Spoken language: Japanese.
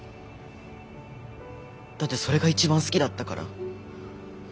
だってそれが一番好きだったから。